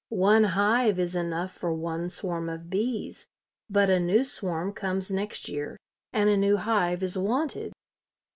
One hive is enough for one swarm of bees, but a new swarm comes next year and a new hive is wanted."